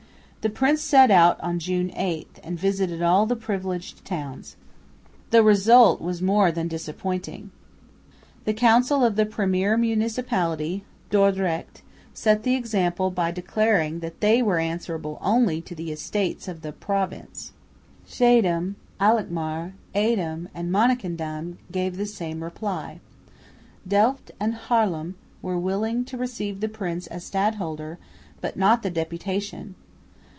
The prince set out on June 8, and visited all the "privileged" towns. The result was more than disappointing. The Council of the premier municipality, Dordrecht, set the example by declaring that they were answerable only to the Estates of the Province. Schiedam, Alkmaar, Edam and Monnikendam gave the same reply. Delft and Haarlem were willing to receive the prince as stadholder, but not the deputation.